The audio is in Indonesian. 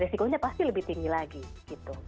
resikonya pasti lebih tinggi lagi gitu